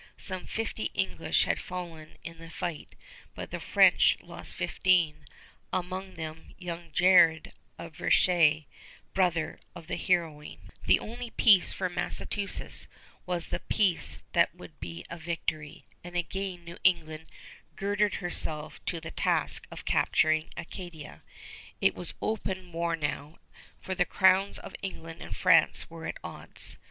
Some fifty English had fallen in the fight, but the French lost fifteen, among them young Jared of Verchéres, brother of the heroine. [Illustration: CONTEMPORARY PLAN OF PORT ROYAL BASIN] The only peace for Massachusetts was the peace that would be a victory, and again New England girded herself to the task of capturing Acadia. It was open war now, for the crowns of England and France were at odds.